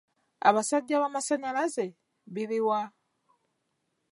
Abasajja b'amasaanyalaze biri wa?